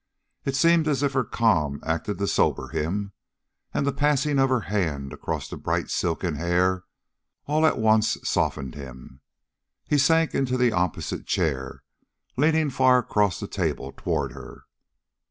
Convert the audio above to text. It seemed as if her calm acted to sober him, and the passing of her hand across the bright, silken hair all at once softened him. He sank into the opposite chair, leaning far across the table toward her.